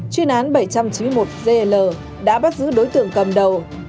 chuyên án bảy trăm chín mươi một gl đã bắt giữ đối tượng cầm đầu